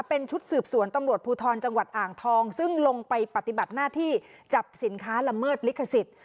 เป็นชุดสืบสวนตำรวจภูทรจังหวัดอ่างทองซึ่งลงไปปฏิบัติหน้าที่จับสินค้าละเมิดลิขสิทธิ์